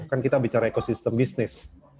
kan kita bicara ekosistem bisnis